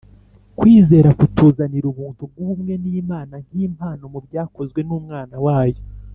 Kwizera kutuzanira ubuntu bw'ubumwe n'Imana nk'impano mu byakozwe n'Umwana wayo.